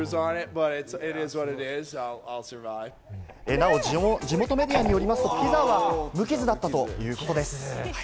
なお、地元メディアによりますと、ピザは無傷だったということです。